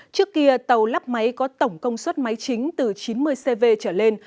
trước kia tàu lắp máy có tổng công suất máy chính từ chín mươi cv trở lên